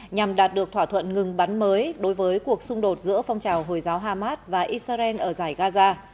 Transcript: nhằm đạt được thỏa thuận ngừng bắn mới đối với cuộc xung đột giữa phong trào hồi giáo hamas và israel ở giải gaza